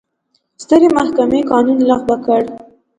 سترې محکمې قانون لغوه کړ.